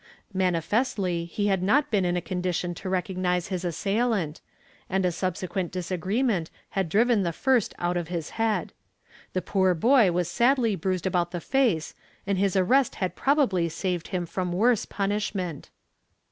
Manifestly he had not been in a condition to recognize his assailant, and a subsequent disagreement had driven the first out of his head. The poor boy was sadly bruised about the face and his arrest had probably saved him from worse punishment.